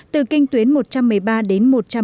từ kinh đông đến tây tây bắc giật cấp một mươi ba